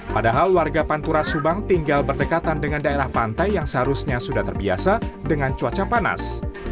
padahal warga pantura subang tinggal berdekatan dengan daerah pantai yang seharusnya sudah terbiasa dengan cuaca panas